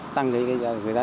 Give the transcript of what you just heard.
tăng cái giá trị